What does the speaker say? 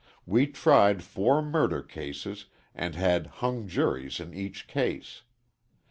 We tried four murder cases and had hung juries in each case.